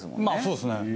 まあそうですね。